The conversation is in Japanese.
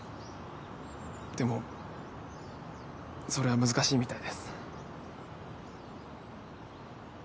でもそれは難しいみたいです。